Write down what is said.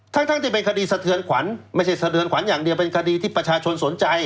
ทั้งที่เป็นคดีสะเทือนขวัญไม่ใช่สะเทือนขวัญอย่างเดียวเป็นคดีที่ประชาชนสนใจ